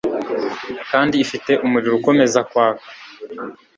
kandi ifite umuriro ukomeza kwaka.